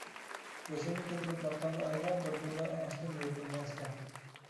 بېشىمنى كۆتۈرۈپ باققاندا ئايغا، بىردىنلا ئېڭىشتىم يۇرتۇمنى ئەسلەپ.